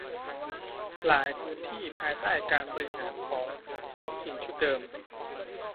หลายพื้นที่ภายใต้การบริหารของท้องถิ่นชุดเดิม